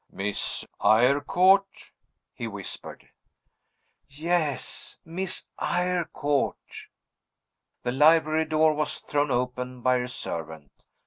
"Miss Eyrecourt?" he whispered. "Yes; Miss Eyrecourt." The library door was thrown open by a servant.